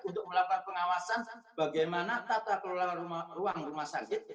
untuk melakukan pengawasan bagaimana tata kelola ruang rumah sakit